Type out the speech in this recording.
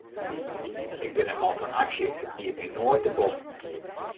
Ik bin in man fan aksje, it giet my noait te bot.